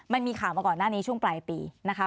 มันมีข่าวมาก่อนหน้านี้ช่วงปลายปีนะคะ